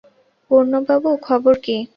পূর্ণবাবু, খবর কী?